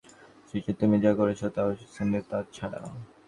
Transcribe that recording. হ্রিদয়স্পর্শি তুমি যা করেছো তাও স্থানীয়দের ছাড়া।